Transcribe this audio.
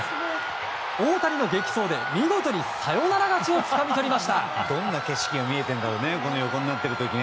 大谷の激走で見事にサヨナラ勝ちをつかみ取りました。